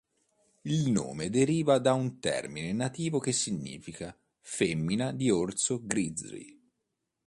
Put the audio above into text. Il nome deriva da un termine nativo che significava "femmina di orso grizzly".